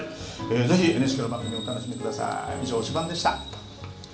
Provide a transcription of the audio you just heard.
ぜひＮＨＫの番組、お楽しみください。